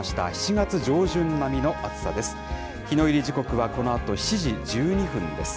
７月上旬並みの暑さです。